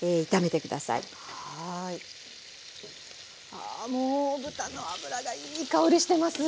ああもう豚の脂がいい香りしてます。